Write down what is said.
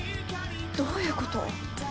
どういうこと？